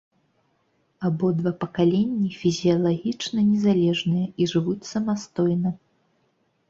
Абодва пакаленні фізіялагічна незалежныя і жывуць самастойна.